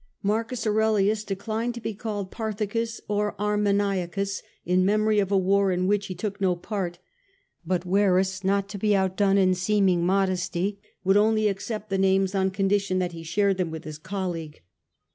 Marcus Aurelius declined to be called Parthicus or Armeniacus in memory of a war in which he took no part ; but Verus, not to be outdone in seeming modesty, would only accept the names on condition that he shared them with his colleague.